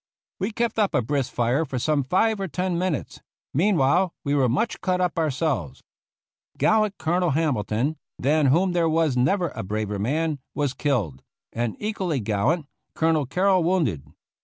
We kept up a brisk fire for some five or ten minutes; meanwhile we were much cut up our selves. Gallant Colonel Hamilton, than whom there was never a braver man, was killed, and 134 THE CAVALRY AT SANTIAGO equally gallant Colonel Carroll wounded.